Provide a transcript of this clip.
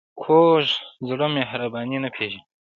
کوږ زړه مهرباني نه پېژني